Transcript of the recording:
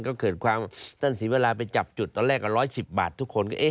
ก็เกิดความตั้งสีเวลาไปจับจุดตอนแรกกว่า๑๑๐บาททุกคน